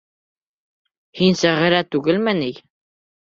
Һин Сәғирә түгелме ни?